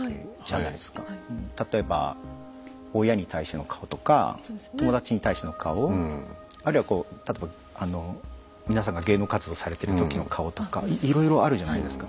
例えば親に対しての顔とか友達に対しての顔あるいはこう例えば皆さんが芸能活動されてる時の顔とかいろいろあるじゃないですか。